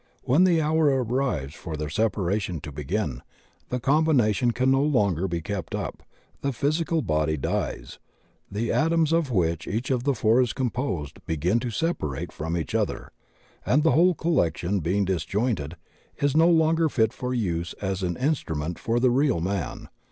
When the hour arrives for their separation to begin, the combination can no longer be kept up, the physical body dies, the atoms of which each of the four is composed begin to separate from each other, and the whole coUection THE TWO PHYSICAL MEN 33 being disjointed is no longer fit for use as an instru ment for the real man.